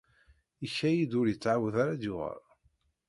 Ikad-iyi-d ur yettɛawad ara d-yuɣal.